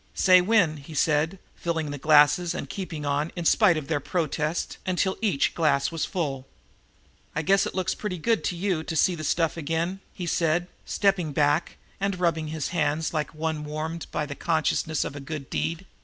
"Say, when," he said, filling the glasses and keeping on, in spite of their protests, until each glass was full. "I guess it looks pretty good to you to see the stuff again," he said, stepping back and rubbing his hands like one warmed by the consciousness of a good deed.